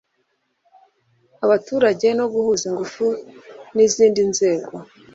abaturage no guhuza ingufu n izindi nzego